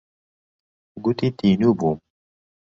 گوتی تینوو بووم.